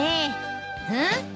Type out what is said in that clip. うん？